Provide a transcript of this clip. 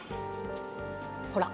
ほら。